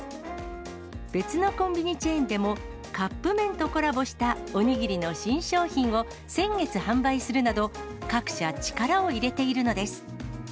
別のコンビニチェーンでも、カップ麺とコラボしたおにぎりの新商品を、先月販売するなど、各社、力を入れているのです。